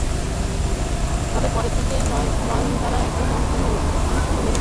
তবে পরের দিকের নয়নতারা একদম অন্য রকম, আমার সঙ্গে মেলে না।